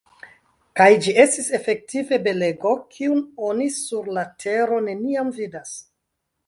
Kaj ĝi estis efektive belego, kiun oni sur la tero neniam vidas.